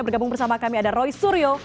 bergabung bersama kami ada roy suryo